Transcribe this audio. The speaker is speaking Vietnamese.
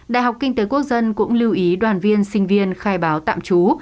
đại học kinh tế quốc dân cũng lưu ý đoàn viên sinh viên khai báo tạm trú